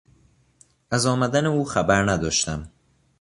از آمدن او خبر نداشتم.